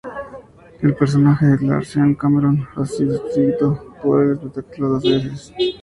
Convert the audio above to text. El personaje de Clark Sean Cameron ha sido escrito por el espectáculo dos veces.